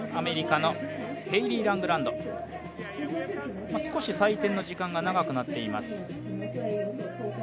アメリカのヘイリー・ラングランド少し採点の時間が長くなっています。